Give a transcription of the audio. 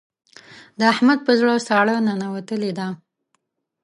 د احمد په زړه ساړه ننوتلې ده.